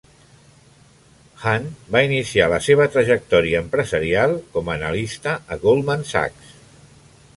Hunt va iniciar la seva trajectòria empresarial com a analista a Goldman Sachs.